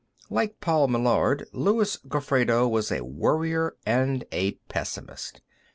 Like Paul Meillard, Luis Gofredo was a worrier and a pessimist.